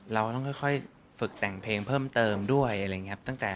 เราต้องค่อยฝึกแต่งเพลงเพิ่มเติมด้วยอะไรอย่างนี้